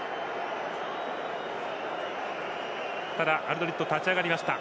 ただ、アルドリット立ち上がりました。